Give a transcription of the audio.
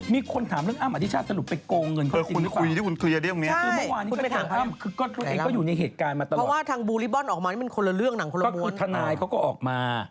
มีคนถามเรื่องอ๊ำอรริชาสรุทธิ์ไปโครงเงินเขาจริงหรือเปล่า